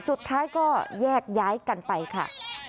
สุดท้ายก็แยกย้ายกันไปค่ะ